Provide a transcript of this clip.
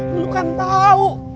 lo kan tau